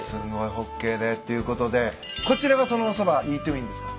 ホッケーでっていうことでこちらがそのおそばＥＡＴＴＯＷＩＮですか？